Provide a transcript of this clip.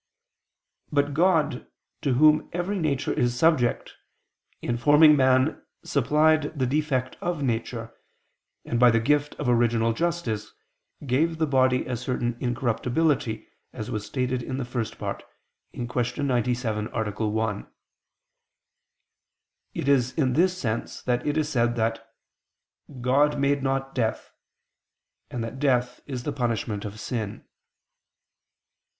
But God, to Whom every nature is subject, in forming man supplied the defect of nature, and by the gift of original justice, gave the body a certain incorruptibility, as was stated in the First Part (Q. 97, A. 1). It is in this sense that it is said that "God made not death," and that death is the punishment of sin.